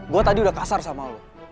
gua tadi udah kasar sama lu